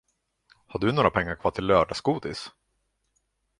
Har du några pengar kvar till lördagsgodis?